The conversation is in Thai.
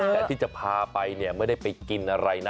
แต่ที่จะพาไปเนี่ยไม่ได้ไปกินอะไรนะ